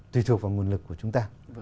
tùy thuộc vào nguồn lực của chúng ta